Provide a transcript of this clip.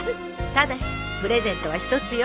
ただしプレゼントは１つよ。